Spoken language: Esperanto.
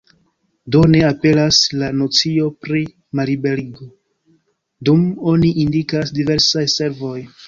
Do, ne aperas la nocio pri malliberigo, dum oni indikas "diversaj servoj".